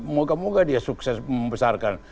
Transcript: moga moga dia sukses membesarkan